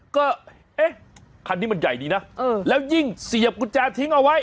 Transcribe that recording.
ก็เอ๊ะคันนี้มันใหญ่ดีนะแล้วยิ่งเสียบกุญแจทิ้งเอาไว้